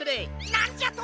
なんじゃと！